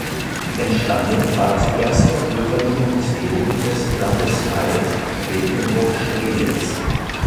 Entstanden war das erste bürgerliche Museum des Landesteils Mecklenburg-Strelitz.